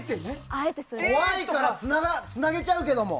怖いからつなげちゃうけども。